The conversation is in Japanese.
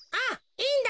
いいんだ。